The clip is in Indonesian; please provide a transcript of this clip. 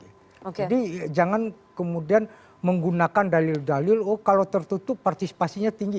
jadi jangan kemudian menggunakan dalil dalil oh kalau tertutup partisipasinya tinggi